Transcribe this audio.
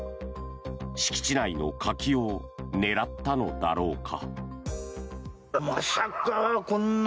敷地内の柿を狙ったのだろうか。